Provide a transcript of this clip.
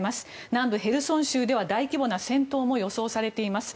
南部ヘルソン州では大規模な戦闘も予想されています。